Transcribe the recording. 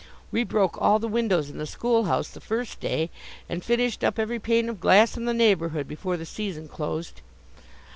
We broke all the windows in the school house the first day, and finished up every pane of glass in the neighborhood before the season closed.